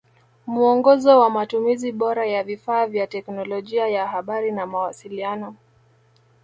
Muongozo wa Matumizi bora ya vifaa vya teknolojia ya habari na mawasiliano